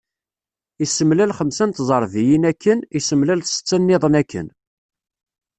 Issemlal xemsa n tẓerbiyin akken, issemlal setta-nniḍen akken.